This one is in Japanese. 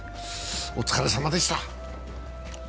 お疲れさまでした。